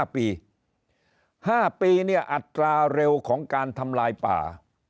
๕ปีเนี่ยอัตราเร็วของการทำลายป่า